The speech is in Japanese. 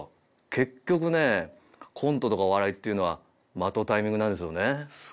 結局ねコントとかお笑いっていうのは間とタイミングなんですよね